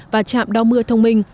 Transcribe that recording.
và chạm đo mưa thông minh